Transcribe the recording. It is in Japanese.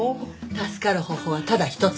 助かる方法はただ一つ。